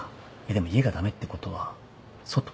でも家が駄目ってことは外？